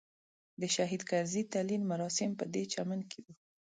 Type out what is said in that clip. د شهید کرزي تلین مراسم پدې چمن کې وو.